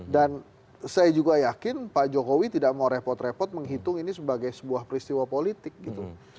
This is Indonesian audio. dan saya juga yakin pak jokowi tidak mau repot repot menghitung ini sebagai sebuah peristiwa politik gitu